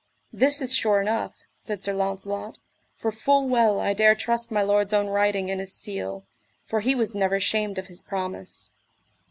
This is sure enough, said Sir Launcelot, for full well I dare trust my lord's own writing and his seal, for he was never shamed of his promise.